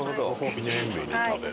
記念日に食べる。